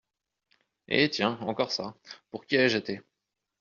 Et tiens, encore ça, pour qui y ai-je été ?